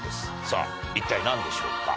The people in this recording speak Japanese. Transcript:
さぁ一体何でしょうか？